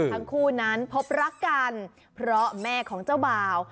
ทั้งคู่นั้นพบรักกันเพราะแม่ของเจ้าบ่าว